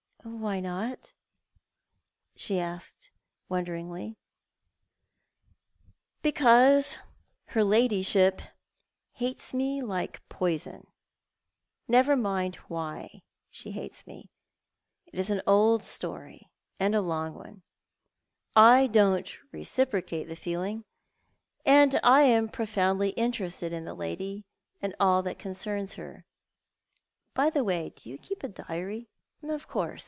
" Why not? " she asked, wonderingly. "Because her ladyship hates me like poison. Never mind why she hates me. It is an old story, and a long one. I don't reciprocate the feeling, and I am profoundly interested in the lady and all that concerns her. By the way, you keep a diary, of course